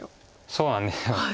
そうなんです。